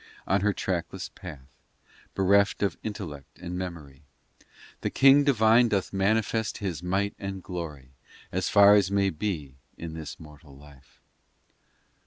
XI On her trackless path, Bereft of intellect and memory, The King divine Doth manifest His might and glory, As far as may be in this mortal life.